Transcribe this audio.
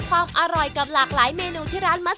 ขอบคุณครับ